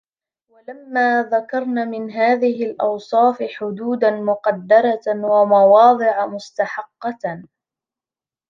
وَلَمَّا ذَكَرْنَا مِنْ هَذِهِ الْأَوْصَافِ حُدُودًا مُقَدَّرَةً وَمَوَاضِعَ مُسْتَحَقَّةً